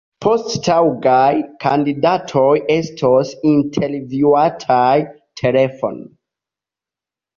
Poste taŭgaj kandidatoj estos intervjuataj telefone.